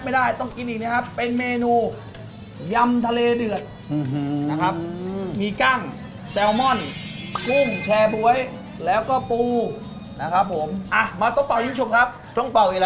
ไม่ได้ต้องกินอีกนะครับเป็นเมนูยำทะเลเดือดนะครับมีกล้างแซลมอนกุ้งแชบวยแล้วก็ปูนะครับผมอะมาต้องป่อยิ้มชุบครับต้องป่อยิ้ม